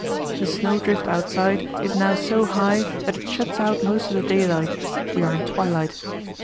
The snow drift outside is now so high that it shuts out most of the daylight; we are in twilight.